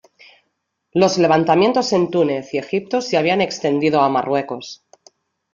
Los levantamientos en Túnez y Egipto se habían extendido a Marruecos.